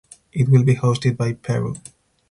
It will be hosted by Peru.